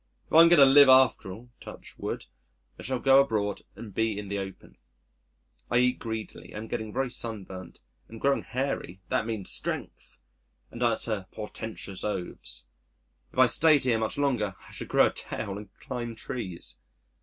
If I am going to live after all (touch wood) I shall go abroad and be in the open. I eat greedily, am getting very sunburnt, am growing hairy (that means strength!), and utter portentous oaths. If I stayed here much longer I should grow a tail and climb trees.